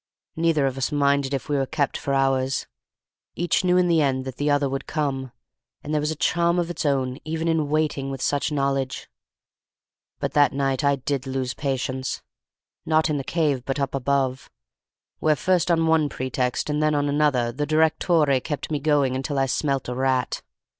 Neither of us minded if we were kept for hours; each knew in the end that the other would come; and there was a charm of its own even in waiting with such knowledge. But that night I did lose patience: not in the cave, but up above, where first on one pretext and then on another the direttore kept me going until I smelt a rat.